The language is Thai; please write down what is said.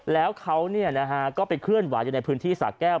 แล้วเขาเนี่ยนะฮะก็ไปเคลื่อนหวานอยู่ในพื้นที่สาแก้ว